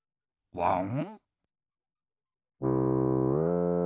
ワン！